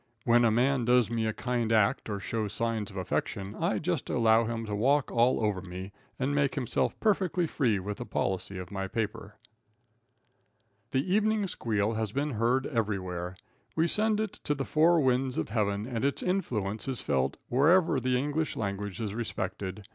When a man does me a kind act or shows signs of affection, I just allow him to walk all over me and make himself perfectly free with the policy of my paper. The "Evening Squeal" has been heard everywhere. We send it to the four winds of Heaven, and its influence is felt wherever the English language is respected.